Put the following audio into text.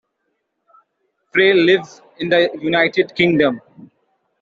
Frey lives in the United Kingdom.